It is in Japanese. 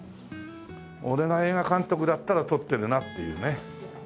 俺が映画監督だったら撮ってるなっていうね。